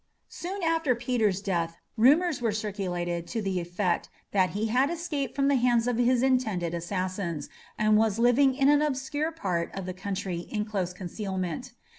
Soon after Peter's death rumours were circulated to the effect that he had escaped from the hands of his intended assassins, and was living in an obscure part of the country in close concealment.